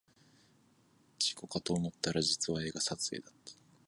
事故かと思ったら実は映画撮影だった